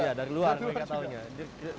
iya dari luar mereka tahunya